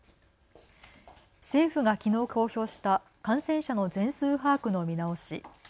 政府がきのう公表した感染者の全数把握の見直し。